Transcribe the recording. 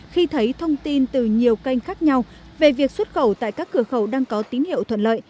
khi thấy thông tin từ nhiều kênh khác nhau về việc xuất khẩu tại các cửa khẩu đang có tín hiệu thuận lợi